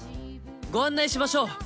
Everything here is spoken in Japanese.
ご案内しましょう。